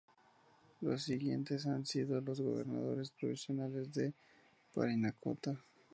Los siguientes han sido los gobernadores provinciales de Parinacota.